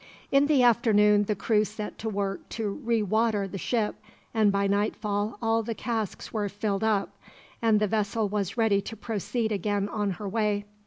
In the afternoon the crew set to work to re water the ship, and by nightfall all the casks were filled up, and the vessel was ready to proceed again on her way.